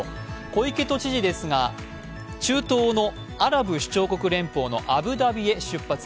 小池都知事ですが、中東のアラブ首長国連邦のアブダビへ出発。